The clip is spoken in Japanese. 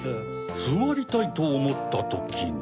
すわりたいとおもったときに。